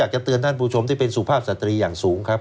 จะเตือนท่านผู้ชมที่เป็นสุภาพสตรีอย่างสูงครับ